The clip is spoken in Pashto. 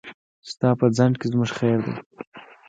ستا په ځنډ کې زموږ خير دی.